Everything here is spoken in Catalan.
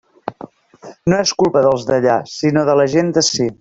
No és culpa dels d'allà, sinó de la gent d'ací.